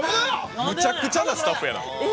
むちゃくちゃなスタッフやな。